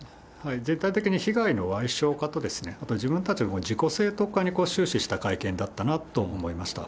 全体的に被害のわい小化と、自分たちの自己正当化に終始した会見だったなと思いました。